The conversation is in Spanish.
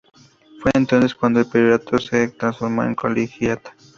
Fue entonces cuando el priorato se transformó en colegiata.